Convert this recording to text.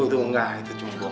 enggak itu cuma cuman